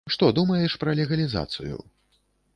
Што думаеш пра легалізацыю?